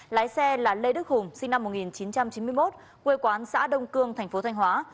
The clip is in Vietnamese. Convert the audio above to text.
lái xe là lê đức hùng sinh năm một nghìn chín trăm chín mươi một quê quán xã đông cương thành phố thanh hóa